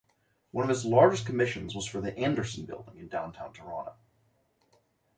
One of his largest commissions was for the Anderson Building in downtown Toronto.